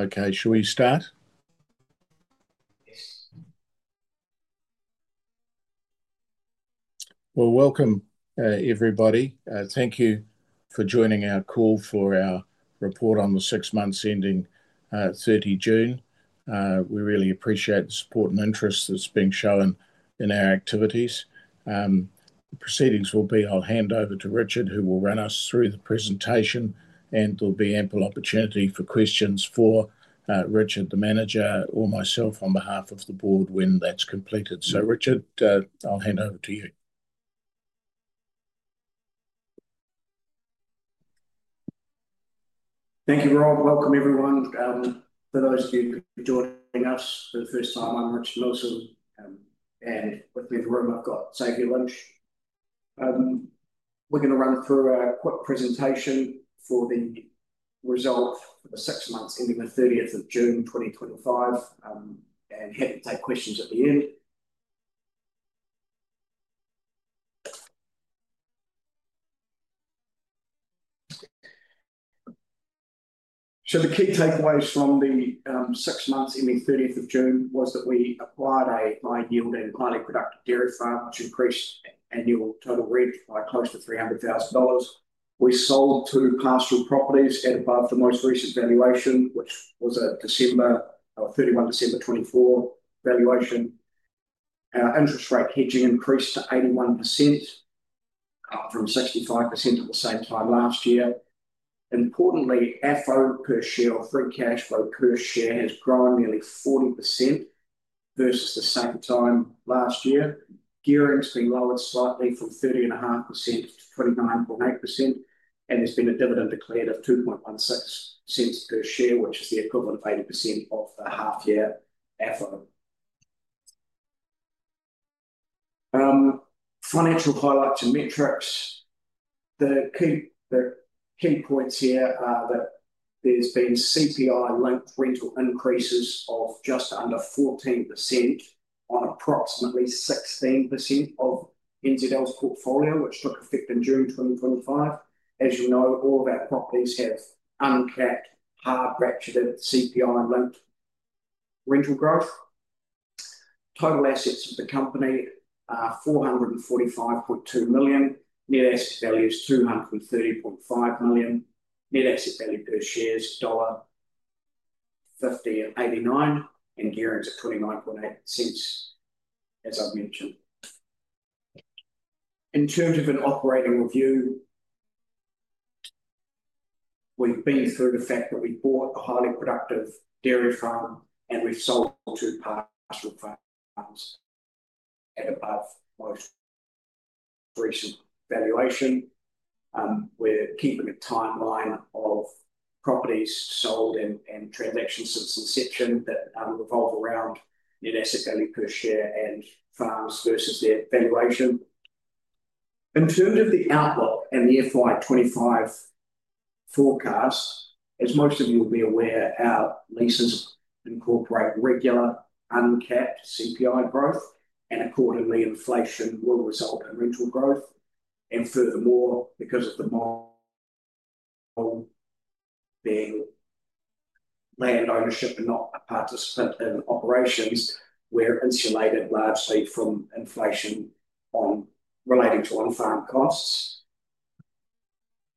Okay, shall we start? Welcome, everybody. Thank you for joining our call for our report on the six months ending 30 June. We really appreciate the support and interest that's been shown in our activities. The proceedings will be, I'll hand over to Richard, who will run us through the presentation, and there'll be ample opportunity for questions for Richard, the Manager, or myself on behalf of the Board when that's completed. Richard, I'll hand over to you. Thank you, Rob. Welcome, everyone. For those of you joining us for the first time, I'm Richard Milsom, and with me in the room, I've got Xavier Lynch. We're going to run through a quick presentation for the result for the six months ending 30th of June, 2025, and happy to take questions at the end. The key takeaways from the six months ending 30th June were that we acquired a high-yield and highly productive dairy farm, which increased annual total revenue by close to $300,000. We sold two pastoral properties at above the most recent valuation, which was a December 31, 2024, valuation. Our interest rate hedging increased to 81% from 65% at the same time last year. Importantly, our FO per share, or free cash flow per share, has grown nearly 40% versus the same time last year. Gearing ratios have been lowered slightly from 30.5% to 29.8%, and there's been a dividend declared of $0.0216 per share, which is the equivalent of 80% of the half-year FO. Financial highlights and metrics. The key points here are that there's been CPI-linked rental increases of just under 14% on approximately 16% of NZL's portfolio, which took effect in June 2025. As you know, all of our properties have uncapped, higher practice CPI-linked rental growth. Total assets of the company are $445.2 million. Net asset value is $230.5 million. Net asset value per share is $150.89, and gearing ratios are 29.8%, as I've mentioned. In terms of an operating review, we've been through the fact that we bought a highly productive dairy farm and we sold two pastoral farms at above the most recent valuation. We're keeping a timeline of properties sold and transactions since inception that revolve around the net asset value per share and farms versus their valuation. In terms of the outlook and the FY 2025 forecast, as most of you will be aware, our leases incorporate regular uncapped CPI growth, and accordingly, inflation will result in rental growth. Furthermore, because of the market being land ownership and not a participant in operations, we're insulated largely from inflation related to on-farm costs.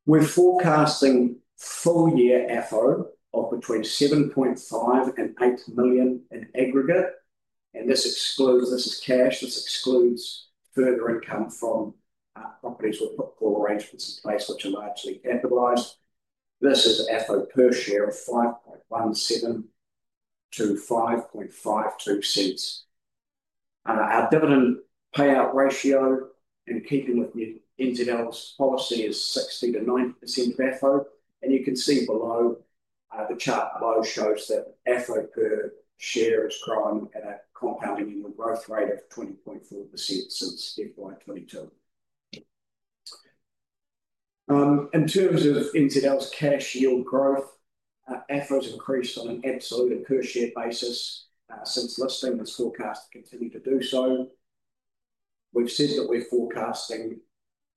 We're forecasting full-year FO of between $7.5 million and $8 million in aggregate, and this excludes cash. This excludes further income from our companies with football arrangements in place, which are largely capitalized. This is FO per share of 5.17%-5.52%. Our dividend payout ratio, in keeping with NZL's policy, is 60%--90% FO, and you can see below the chart below shows that FO per share has grown at a compounding annual growth rate of 20.4% since FY 2022. In terms of NZL's cash yield growth, FO has increased on an absolute per share basis since listing and is forecast to continue to do so. We've said that we're forecasting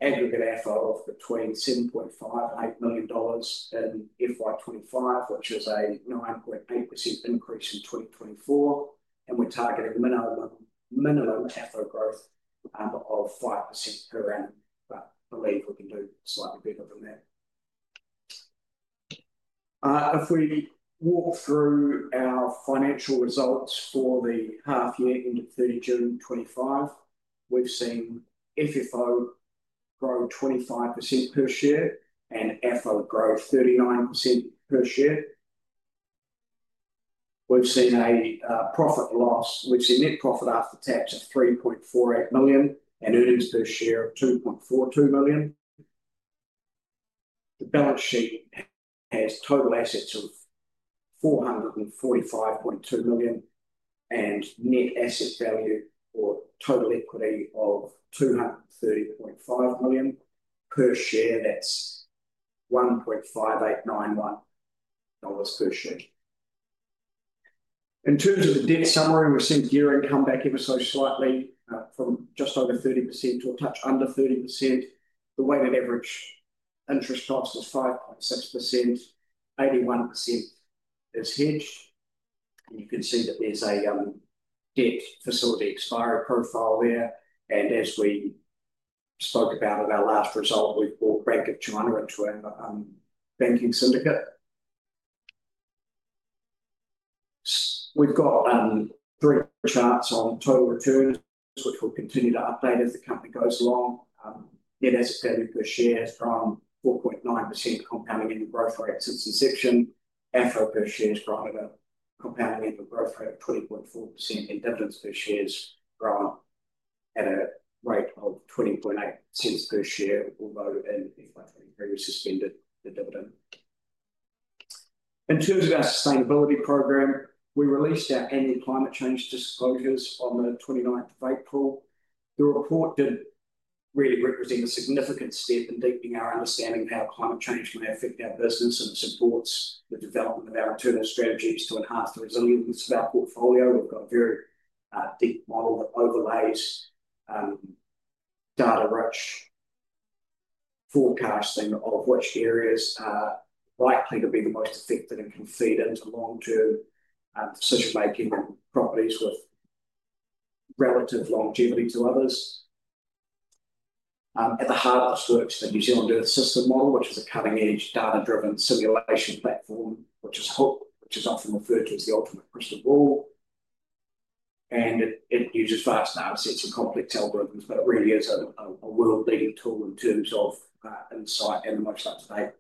aggregate FO of between $7.5 million and $8 million in FY 2025, which is a 9.8% increase in 2024, and we're targeting minimum FO growth of 5% per annum. I believe we can do slightly better than that. If we walk through our financial results for the half-year ended 30 June 2025, we've seen FFO grow at 25% per share and FO grow at 39% per share. We've seen a profit loss. We've seen net profit after tax of $3.48 million and earnings per share of $2.42 million. The balance sheet has total assets of $445.2 million and net asset value or total equity of $230.5 million. That's $1.5891 per share. In terms of the debt summary, we've seen gearing come back ever so slightly from just over 30% to a touch under 30%. The weighted average interest cost is 5.6%. 81% is hedged. You can see that there's a debt facility expiry profile there, and as we spoke about in our last result, we've brought Bank of China into our banking syndicate. We've got three charts on total return, which we'll continue to update as the company goes along. Net asset value per share has grown 4.9% compounding annual growth rate since inception. FO per share has grown at a compounding annual growth rate of 20.4% and dividends per share have grown at a rate of 20.8% per share, although in FY 2023 we suspended the dividend. In terms of our sustainability program, we released our annual climate change disclosures on the 29th of April. The report didn't really represent a significant step in deepening our understanding of how climate change may affect our business and supports the development of our alternative strategies to enhance the resilience of our portfolio. We've got a very deep model that overlays data-rich forecasting of which areas are likely to be the most affected and conceded to long-term decision-making properties with relative longevity to others. At the heart of this work is the New Zealand Earth System Model, which is a cutting-edge data-driven simulation platform, which is often referred to as the ultimate crystal ball. It uses vast assets of complex algorithms, but it really is a world-leading tool in terms of insight and the most up-to-date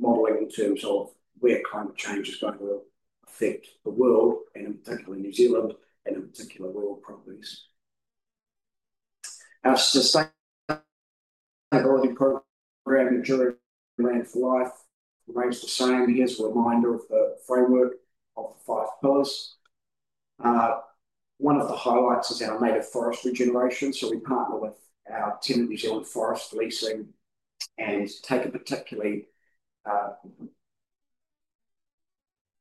modeling in terms of where climate change is going to affect the world, particularly New Zealand, and in particular rural properties. Our sustainability program, Enduring Land for Life, remains the same. Here's a reminder of the framework of the five pillars. One of the highlights is our native forest regeneration. We partner with our tenant New Zealand Forest Leasing and take a particularly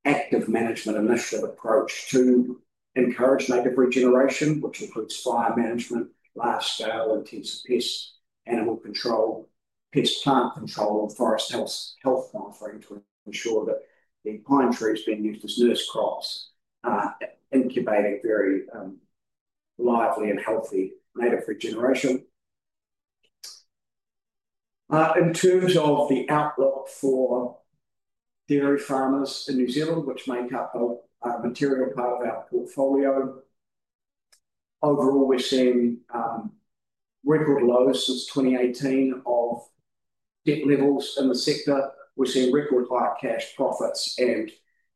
active management initiative approach to encourage native regeneration, which includes fire management, lifestyle, intensive pests, pest plant control, and forest health monitoring to ensure that the pine tree is being used as a nurse crop and incubate a very lively and healthy native regeneration. In terms of the outlook for dairy farmers in New Zealand, which make up a material part of our portfolio, overall we're seeing record lows since 2018 of debt levels in the sector. We're seeing record high cash profits and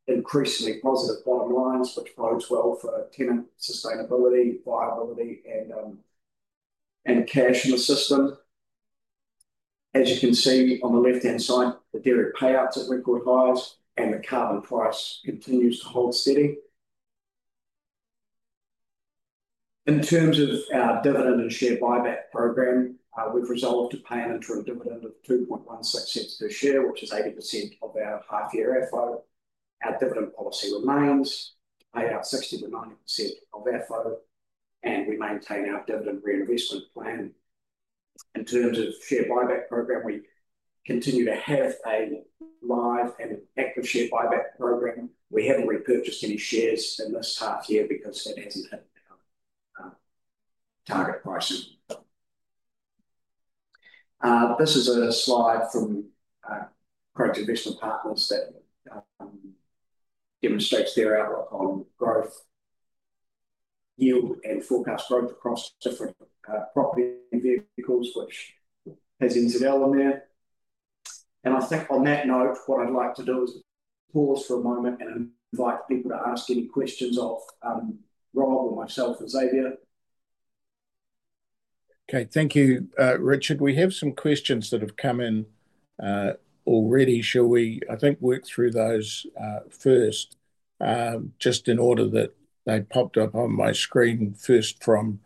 increasingly positive bottom lines, which bodes well for tenant sustainability, viability, and cash in the system. As you can see on the left-hand side, the dairy payouts are at record highs and the card price continues to hold steady. In terms of our dividend and share buyback program, we've resolved to pay an interim dividend of $0.0216 per share, which is 80% of our half-year FO. Our dividend policy remains at 60%-90% of FO, and we maintain our dividend reinvestment plan. In terms of share buyback program, we continue to have a live and active share buyback program. We haven't repurchased any shares in this half-year because that hasn't hit our target prices. This is a slide from Project Vision Apartments that demonstrates their outlook on growth, yield, and forecast growth across different property and vehicles, which has NZL on there. On that note, what I'd like to do is pause for a moment and invite people to ask any questions of Rob, myself, and Xavier. Okay, thank you, Richard. We have some questions that have come in already. Shall we, I think, work through those first, just in order that they popped up on my screen. First from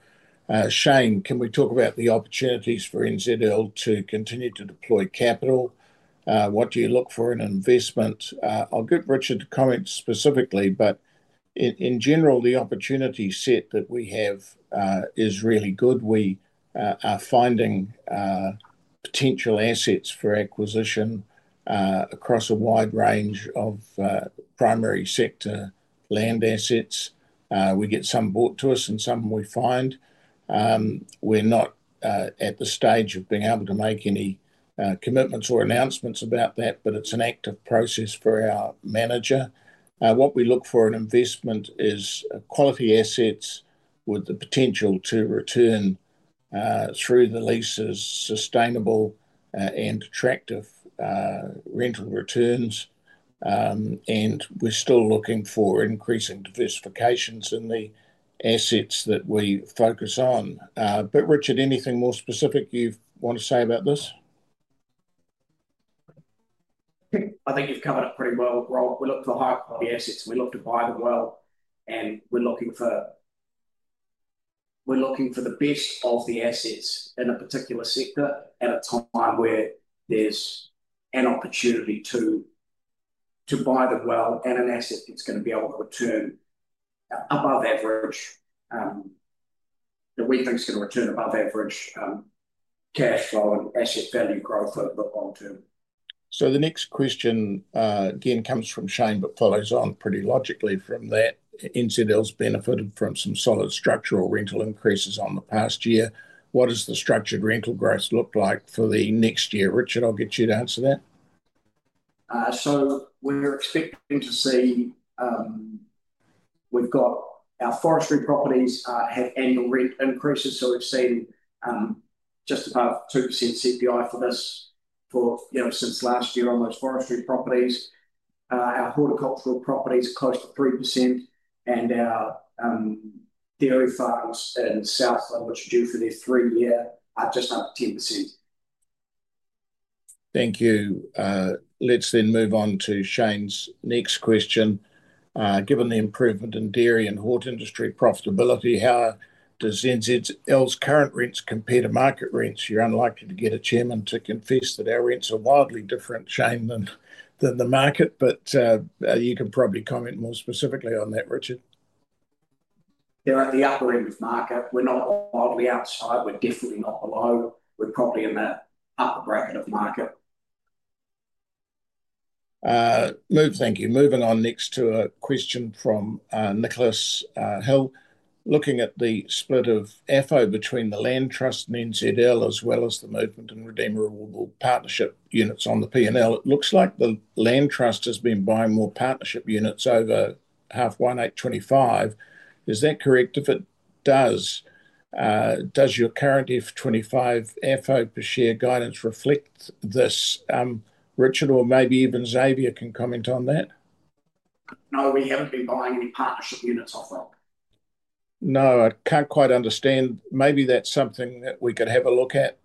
Shane, can we talk about the opportunities for NZL to continue to deploy capital? What do you look for in investment? I'll give Richard the comments specifically, but in general, the opportunity set that we have is really good. We are finding potential assets for acquisition across a wide range of primary sector land assets. We get some brought to us and some we find. We're not at the stage of being able to make any commitments or announcements about that, but it's an active process for our manager. What we look for in investment is quality assets with the potential to return through the leases, sustainable and attractive rental returns. We're still looking for increasing diversifications in the assets that we focus on. Richard, anything more specific you want to say about this? I think you've covered it pretty well. We look to hire the assets, we look to buy the wealth, and we're looking for the best of the assets in a particular sector at a top line where there's an opportunity to buy the wealth and an asset that's going to be able to return above average, that we think is going to return above average cash flow and asset value growth over the long term. The next question again comes from Shane, but follows on pretty logically from that. NZL's benefited from some solid structural rental increases in the past year. What does the structured rental growth look like for the next year? Richard, I'll get you to answer that. We're expecting to see, we've got our forestry properties had annual rate increases. We've seen just above 2% CPI for this, for, you know, since last year on those forestry properties. Our horticultural properties are close to 3% and our dairy farms in Southland, which are due for their three-year, are just under 10%. Thank you. Let's then move on to Shane's next question. Given the improvement in dairy and hort industry profitability, how does NZL's current rents compare to market rents? You're unlikely to get a Chairman to confess that our rents are wildly different, Shane, than the market, but you can probably comment more specifically on that, Richard. They're at the upper end of market. We're not wildly outside. We're definitely not below, we're probably in the upper bracket of market. Luke, thank you. Moving on next to a question from Nicholas Hill. Looking at the split of FO between the Land Trust and NZL, as well as the movement in Redeemable Partnership units on the P&L, it looks like the Land Trust has been buying more partnership units over half 1825. Is that correct? If it does, does your current F25 FO per share guidance reflect this, Richard, or maybe even Xavier can comment on that? No, we haven't been buying any partnership units off of it. No, I can't quite understand. Maybe that's something that we could have a look at,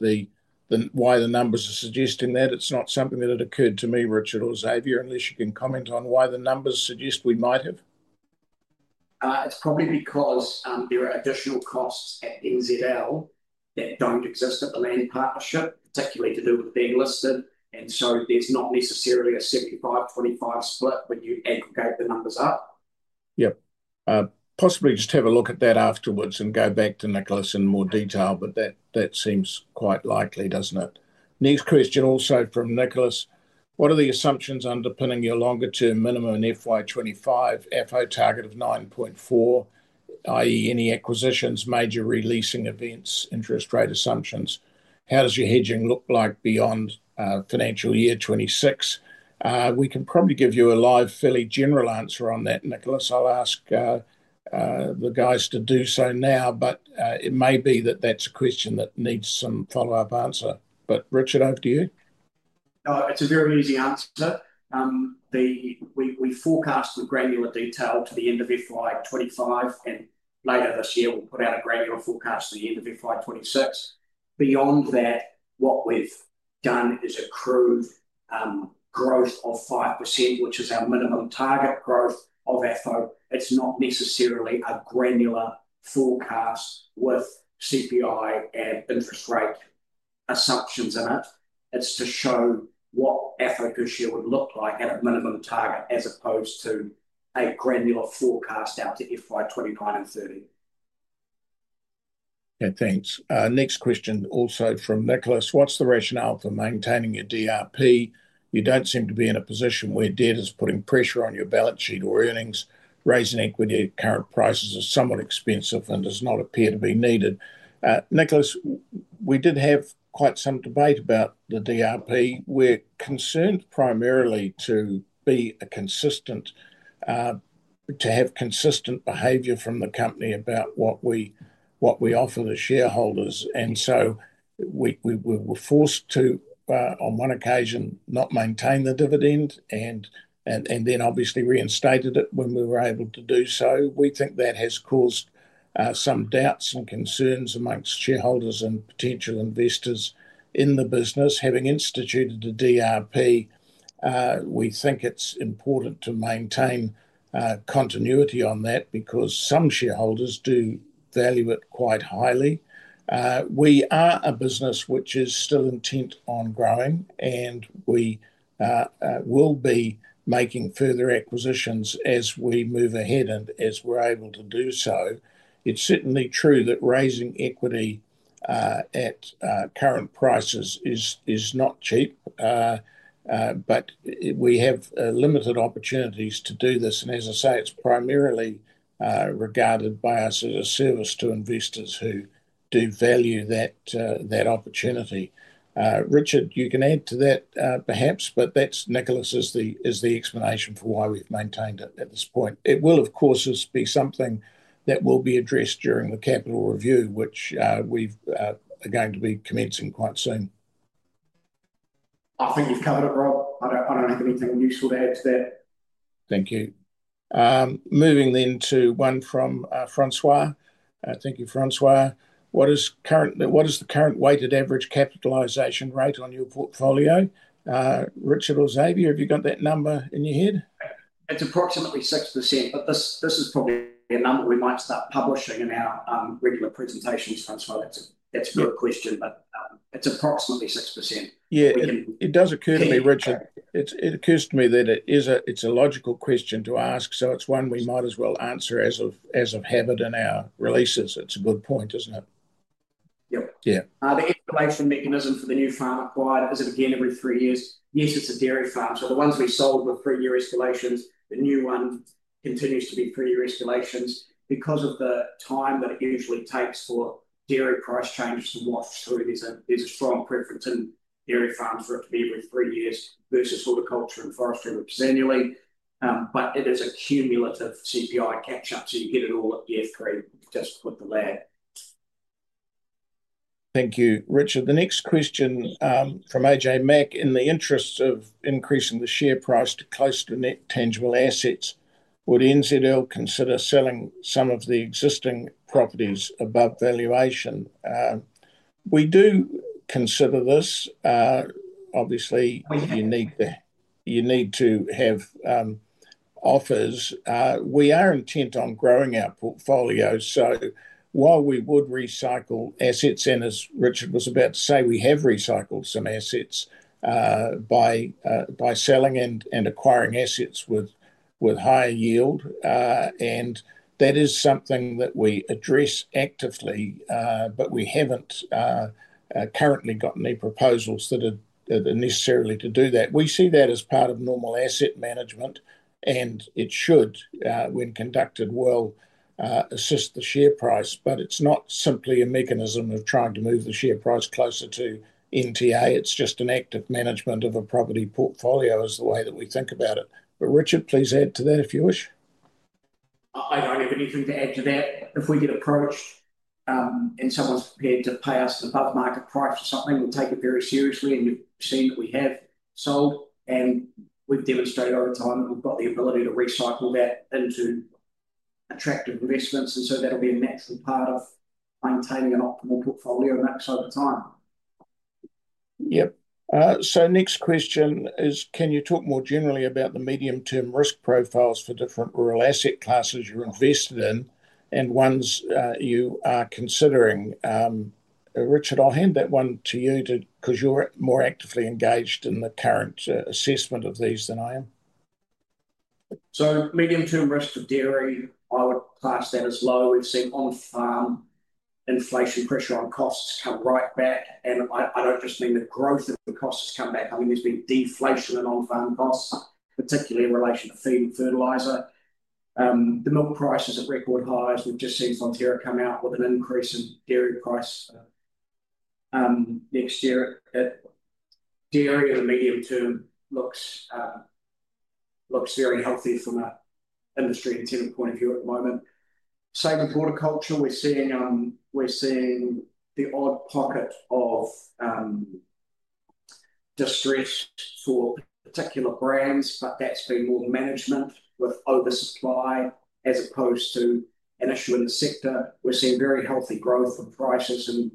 why the numbers are suggesting that. It's not something that had occurred to me, Richard, or Xavier, unless you can comment on why the numbers suggest we might have. It's probably because there are additional costs at NZRL that don't exist at the land partnership, particularly to do with being listed. There's not necessarily a 75/25 split when you add the numbers up. Yeah, possibly just have a look at that afterwards and go back to Nicholas in more detail, but that seems quite likely, doesn't it? Next question also from Nicholas. What are the assumptions underpinning your longer-term minimum in FY 2025 FO per share target of $9.4, i.e. any acquisitions, major releasing events, interest rate assumptions? How does your hedging look like beyond financial year 2026? We can probably give you a fairly general answer on that, Nicholas. I'll ask the guys to do so now, but it may be that that's a question that needs some follow-up answer. Richard, over to you. It's a very easy answer. We forecast with granular detail to the end of FY 2025, and later this year we'll put out a granular forecast to the end of FY 2026. Beyond that, what we've done is accrued growth of 5%, which is our minimum target growth of FO. It's not necessarily a granular forecast with CPI and interest rate assumptions in it. It's to show what FO per share would look like at a minimum target as opposed to a granular forecast out to FY 2025 and 2030. Okay, thanks. Next question also from Nicholas. What's the rationale for maintaining your dividend reinvestment plan? You don't seem to be in a position where debt is putting pressure on your balance sheet or earnings. Raising equity at current prices is somewhat expensive and does not appear to be needed. Nicholas, we did have quite some debate about the dividend reinvestment plan. We're concerned primarily to be consistent, to have consistent behavior from the company about what we offer to shareholders. We were forced to, on one occasion, not maintain the dividend and then obviously reinstated it when we were able to do so. We think that has caused some doubts and concerns amongst shareholders and potential investors in the business. Having instituted the DIP, we think it's important to maintain continuity on that because some shareholders do value it quite highly. We are a business which is still intent on growing and we will be making further acquisitions as we move ahead and as we're able to do so. It's certainly true that raising equity at current prices is not cheap, but we have limited opportunities to do this. As I say, it's primarily regarded by us as a service to investors who do value that opportunity. Richard, you can add to that perhaps, but that's Nicholas' explanation for why we've maintained it at this point. It will, of course, be something that will be addressed during the capital review, which we are going to be commencing quite soon. I think you've covered it, Rob. I don't have anything unusual to add to that. Thank you. Moving then to one from [François.] Thank you, [François.] What is the current weighted average capitalization rate on your portfolio? Richard or Xavier, have you got that number in your head? It's approximately 6%, but this is probably a number we might start publishing in our regular presentations, [François.] That's a good question, but it's approximately 6%. Yeah, it does occur to me, Richard. It occurs to me that it's a logical question to ask, so it's one we might as well answer as a habit in our releases. It's a good point, isn't it? Yep. Yeah. The escalation mechanism for the new farm acquired, is it again every three years? Yes, it's a dairy farm. The ones we sold were three-year escalations. The new one continues to be three-year escalations because of the time that it usually takes for dairy price changes to watch. There is a strong preference in dairy farms for it to be every three years versus horticulture and forestry annually. There is a cumulative CPI catch-up, so you get it all at year three just with the layout. Thank you, Richard. The next question from A.J. 'Mack. In the interest of increasing the share price to close to net tangible assets, would NZL consider selling some of the existing properties above valuation? We do consider this. Obviously, you need to have offers. We are intent on growing our portfolio. While we would recycle assets, as Richard was about to say, we have recycled some assets by selling and acquiring assets with high yield. That is something that we address actively, but we haven't currently got any proposals that are necessarily to do that. We see that as part of normal asset management, and it should, when conducted well, assist the share price. It's not simply a mechanism of trying to move the share price closer to NTA. It's just an active management of a property portfolio is the way that we think about it. Richard, please add to that if you wish. I don't have anything to add to that. If we get a price and someone's prepared to pay us above market price for something, we take it very seriously. We see that we have sold and we've demonstrated over time that we've got the ability to recycle that into attractive investments. That'll be a natural part of maintaining an optimal portfolio and that's over time. Yeah. Next question is, can you talk more generally about the medium-term risk profiles for different rural asset classes you're invested in and ones you are considering? Richard, I'll hand that one to you because you're more actively engaged in the current assessment of these than I am. Medium-term risk for dairy, while the class that is low, we've seen on-farm inflation pressure on costs come right back. I don't just think the growth of the costs come back. There's been deflation in on-farm costs, particularly in relation to feed and fertilizer. The milk prices are at record highs. We've just seen Fonterra come out with an increase in dairy price next year. Dairy in the medium term looks very healthy from an industry and tenant point of view at the moment. Same in horticulture. We're seeing the odd pocket of distress for particular brands, but that's been water management with oatless supply as opposed to an issue in the sector. We're seeing very healthy growth of prices and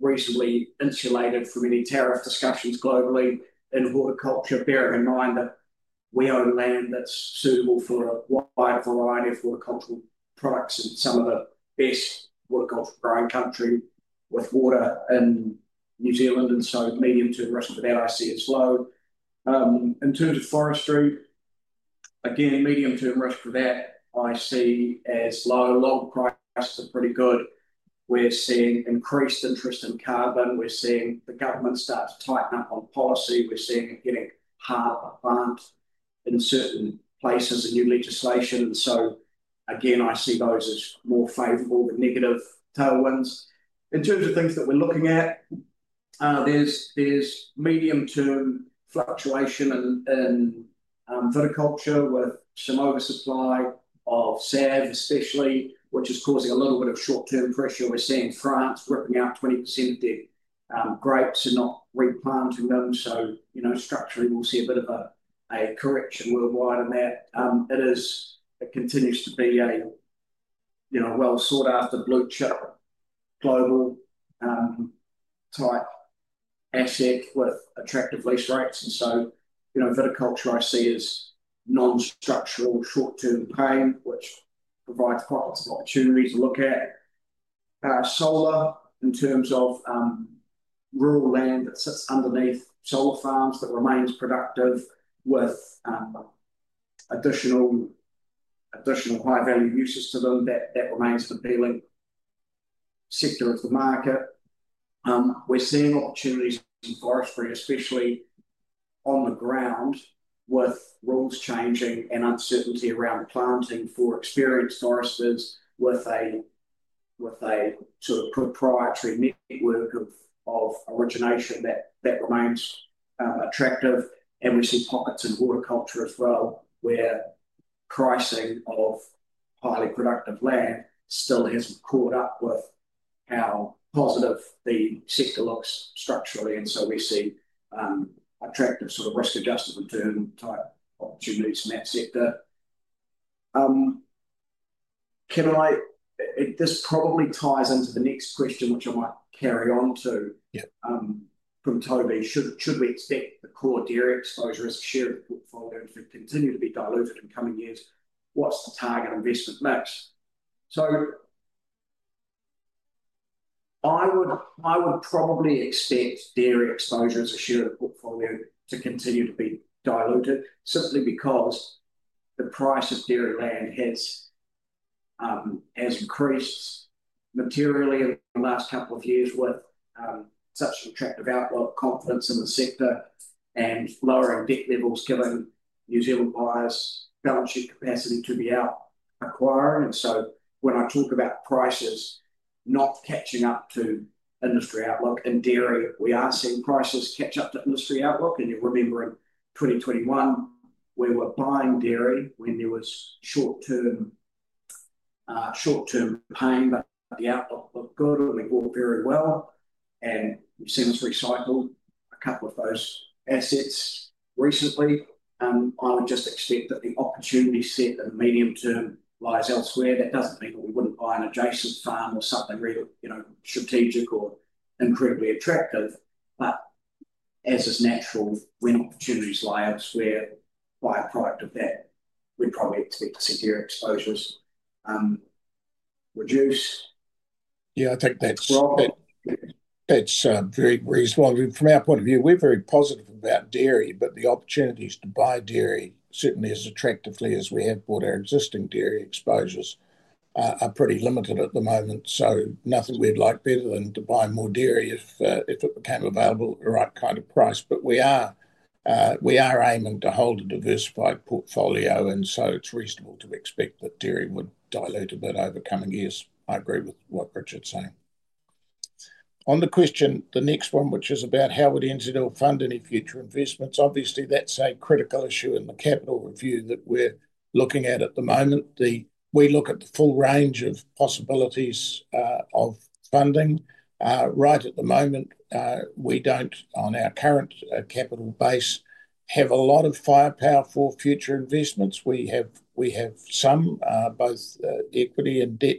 reasonably insulated from any tariff discussions globally in horticulture, bearing in mind that we own land that's suitable for a wide variety of horticultural products in some of the best horticulture growing countries with water in New Zealand. Medium-term risk for that I see as low. In terms of forestry, again, medium-term risk for that I see as low. Log prices are pretty good. We're seeing increased interest in carbon. We're seeing the government start to tighten up on policy. We're seeing it getting harder to plant in certain places and new legislation. I see those as more favorable than negative tailwinds. In terms of things that we're looking at, there's medium-term fluctuation in viticulture with some over-supply of sauv, especially, which is causing a little bit of short-term pressure. We're seeing France ripping out 20% of grapes and not replanting them. Structurally we'll see a bit of a correction worldwide on that. It continues to be a well sought-after blue chip global type asset with attractive lease rates. Viticulture I see as non-structural short-term pain, which provides quite a lot of opportunity to look at. Solar, in terms of rural land that sits underneath solar farms, that remains productive with additional high-value uses to them. That remains the appealing sector of the market. We're seeing opportunities in forestry, especially on the ground, with rules changing and uncertainty around planting for experienced foresters with a good priority network of origination that remains attractive. We see pockets in horticulture as well where pricing of highly productive land still has caught up with how positive the sector looks structurally. We see attractive sort of risk adjustment in terms of opportunities in that sector. This probably ties into the next question, which I might carry on to from Toby. Should we expect the core dairy exposures to share the portfolio to continue to be diluted in the coming years? What's the target investment next? I would probably expect dairy exposures to share the portfolio to continue to be diluted simply because the price of dairy land has increased materially in the last couple of years with such an attractive outlook, confidence in the sector, and lowering debt levels giving New Zealand buyers balance sheet capacity to be out acquiring. When I talk about prices not catching up to industry outlook in dairy, we are seeing prices catch up to industry outlook. You're remembering 2021, we were buying dairy. We knew it was short-term pain, but the outlook looked good. We bought very well and seemed to recycle a couple of those assets recently. I would just accept that the opportunity set in the medium term lies elsewhere. That doesn't mean that we wouldn't buy an adjacent farm or something really, you know, strategic or incredibly attractive. As is natural, when opportunities lie elsewhere, by a product of that, we'd probably expect to see dairy exposures reduce. Yeah, I think that's very reasonable. I mean, from our point of view, we're very positive about dairy, but the opportunities to buy dairy, certainly as attractively as we have bought our existing dairy exposures, are pretty limited at the moment. Nothing we'd like better than to buy more dairy if it's available at the right kind of price. We are aiming to hold a diversified portfolio, and it's reasonable to expect that dairy would dilute a bit over the coming years. I agree with what Richard's saying. On the question, the next one, which is about how would NZL fund any future investments, obviously that's a critical issue in the capital review that we're looking at at the moment. We look at the full range of possibilities of funding. Right at the moment, we don't, on our current capital base, have a lot of firepower for future investments. We have some, both equity and debt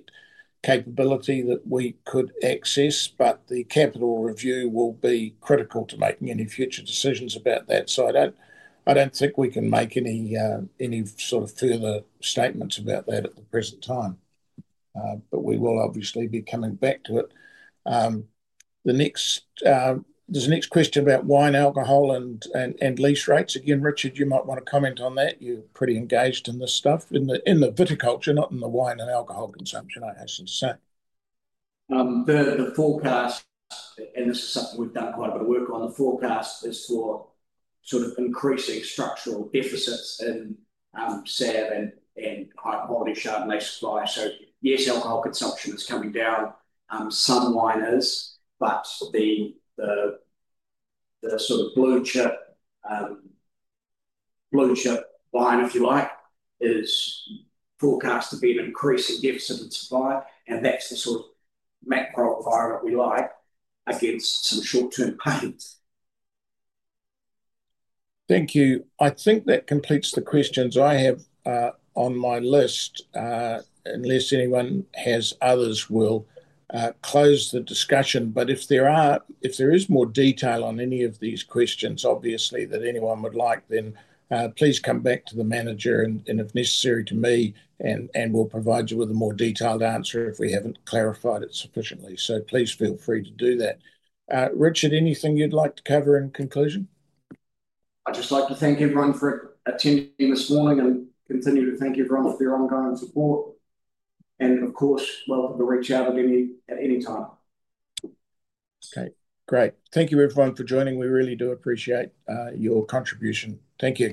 capability that we could access, but the capital review will be critical to making any future decisions about that. I don't think we can make any sort of further statements about that at the present time, but we will obviously be coming back to it. There's a next question about wine alcohol and lease rates. Again, Richard, you might want to comment on that. You're pretty engaged in this stuff in the viticulture, not in the wine and alcohol consumption, I assume. The forecast, and this is something we've done quite a bit of work on, the forecast is for sort of increasing structural deficits in sauv and higher quality chardonnay supplies. Yes, alcohol consumption is coming down. Some wine is, but the sort of blue chip wine, if you like, is forecast to be an increase in deficit and supply. That's the sort of macro environment we like against some short-term pains. Thank you. I think that completes the questions I have on my list, unless anyone has others, we'll close the discussion. If there is more detail on any of these questions that anyone would like, then please come back to the Manager and, if necessary, to me, and we'll provide you with a more detailed answer if we haven't clarified it sufficiently. Please feel free to do that. Richard, anything you'd like to cover in conclusion? I'd just like to thank everyone for attending this morning and thank everyone for their ongoing support. Of course, we'll be reaching out at any time. Okay, great. Thank you everyone for joining. We really do appreciate your contribution. Thank you.